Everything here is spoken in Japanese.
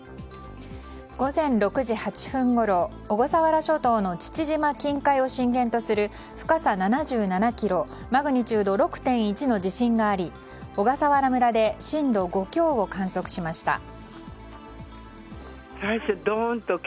午前６時８分ごろ小笠原諸島の父島近海を震源とする、深さ７７ｋｍマグニチュード６．１の地震があり、小笠原村で震度５強を観測しました。